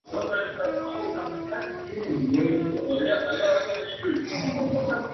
Más tarde se adoptará el folletín.